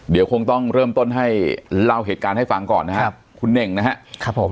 เดี๋ยวคงต้องเริ่มต้นให้เล่าเหตุการณ์ให้ฟังก่อนนะครับคุณเน่งนะครับผม